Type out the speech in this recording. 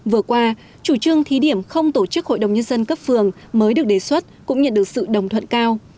vừa qua chủ trương thí điểm không tổ chức hội đồng nhân dân cấp phường mới được đề xuất cũng nhận được sự đồng thuận cao